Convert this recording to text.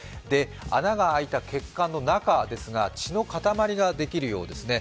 穴が開いた血管の中ですが血の塊ができるそうですね。